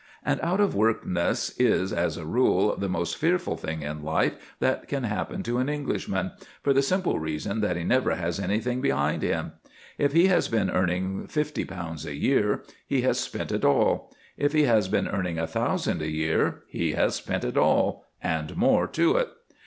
And out of workness is, as a rule, the most fearful thing in life that can happen to an Englishman, for the simple reason that he never has anything behind him. If he has been earning fifty pounds a year, he has spent it all; if he has been earning a thousand a year, he has spent it all and more to it.